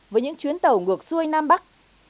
với những chuyến tàu ngược xuôi nam bắc